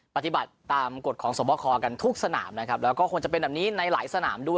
ปฏิบัติตามกฎของสวบคอกันทุกสนามนะครับแล้วก็คงจะเป็นแบบนี้ในหลายสนามด้วย